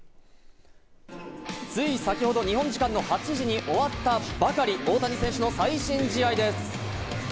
つい先程、日本時間の８時に終わったばかり、大谷選手の最新試合です。